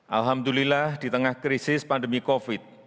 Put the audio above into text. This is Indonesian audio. alhamdulillah di tengah krisis pandemi covid sembilan belas